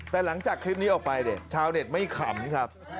แต่หลังจากคลิปนี้ออกไปเนี่ยชาวเน็ตไม่ขำครับ